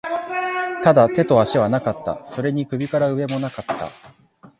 ただ、手と足はなかった。それに首から上も無かった。